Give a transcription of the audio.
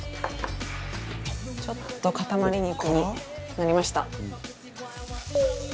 ちょっと塊肉になりました。